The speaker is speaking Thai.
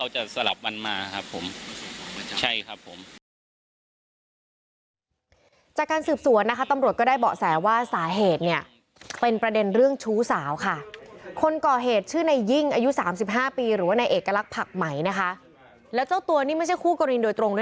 เจ้าการสืบสวนนะคะตำรวจก็ได้บอกแสว่าสาเหตุเนี่ยเป็นประเด็นเรื่องชูสาวค่ะคนก่อเหตุชื่อในยิ้งอายุ๓๕ปีหรือในเอกลักษณ์ผลักใหม่นะฮะและเจ้าตัวนี่